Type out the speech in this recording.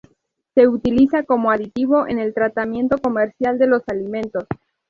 Se utiliza como aditivo en el tratamiento comercial de los alimentos.